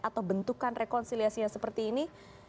atau bentukan rekonsiliasinya seperti ini